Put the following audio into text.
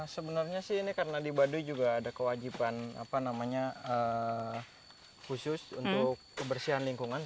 sebenarnya sih ini karena di baduy juga ada kewajiban apa namanya khusus untuk kebersihan lingkungan